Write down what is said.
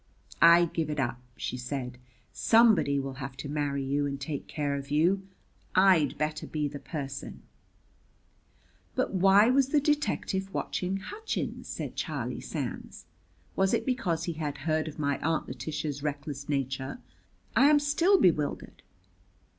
"I give it up!" she said. "Somebody will have to marry you and take care of you. I'd better be the person." "But why was the detective watching Hutchins?" said Charlie Sands. "Was it because he had heard of my Aunt Letitia's reckless nature? I am still bewildered."